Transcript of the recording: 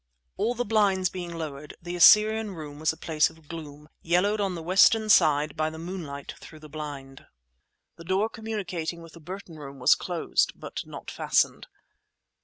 All the blinds being lowered, the Assyrian Room was a place of gloom, yellowed on the western side by the moonlight through the blind. The door communicating with the Burton Room was closed but not fastened.